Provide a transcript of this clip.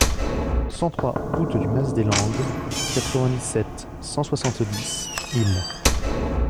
cent trois route du Mas des Landes, quatre-vingt-sept, cent soixante-dix, Isle